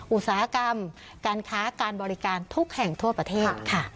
อุตสาหกรรมการค้าการบริการทุกแห่งทั่วประเทศค่ะ